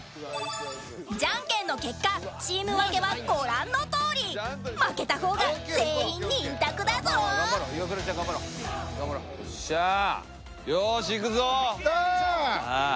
ジャンケンの結果チーム分けはご覧のとおり負けたほうが全員ニン拓だぞよしいくぞ！